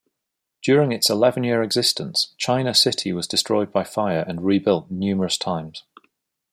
During its eleven-year existence, China City was destroyed by fire and rebuilt numerous times.